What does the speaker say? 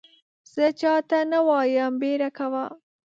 زه چا ته نه وایم بیړه کوه !